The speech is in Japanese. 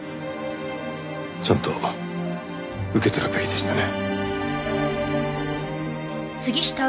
ちゃんと受け取るべきでしたね。